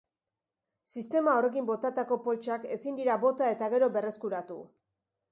Sistema horrekin botatako poltsak ezin dira bota eta gero berreskuratu.